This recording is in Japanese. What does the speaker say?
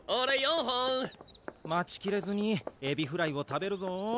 待ちきれずにエビフライを食べるぞー！